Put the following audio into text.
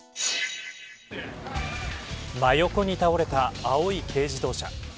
真横に倒れた青い軽自動車。